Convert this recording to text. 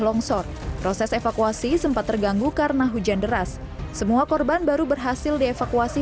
longsor proses evakuasi sempat terganggu karena hujan deras semua korban baru berhasil dievakuasi